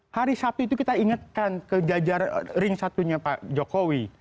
hari sabtu itu kita ingatkan ke jajaran ring satunya pak jokowi